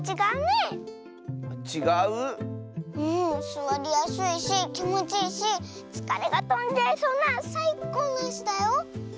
すわりやすいしきもちいいしつかれがとんじゃいそうなさいこうのいすだよ。